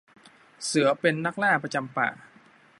เสือเป็นนักล่าประจำป่า